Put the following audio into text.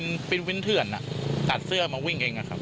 ไม่ใช่ครับเป็นวินเทือนตัดเสื้อมาวิ่งเองนะครับ